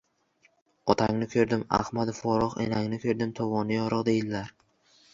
— Otangni ko‘rdim, ahmadi forig‘, enangni ko‘rdim, tovoni yoriq, deydilar.